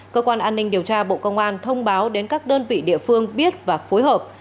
cơ quan an ninh điều tra bộ công an thông báo đến các đơn vị địa phương biết và phối hợp